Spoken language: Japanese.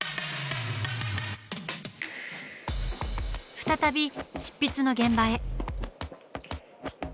再び執筆の現場へ。